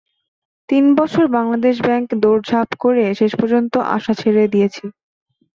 তিন বছর বাংলাদেশ ব্যাংকে দৌড়ঝাঁপ করে শেষ পর্যন্ত আশা ছেড়ে দিয়েছি।